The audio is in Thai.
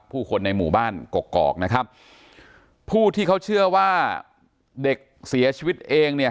ผู้คนในหมู่บ้านกกอกนะครับผู้ที่เขาเชื่อว่าเด็กเสียชีวิตเองเนี่ย